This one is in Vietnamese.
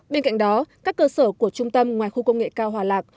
bên cạnh đó các cơ sở của trung tâm ngoài khu công nghệ cao hòa lạc